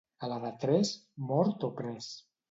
A la de tres, mort o pres.